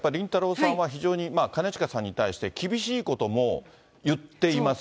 さんは非常に兼近さんに対して、厳しいことも言っています。